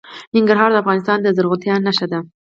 ازادي راډیو د کډوال د ستونزو رېښه بیان کړې.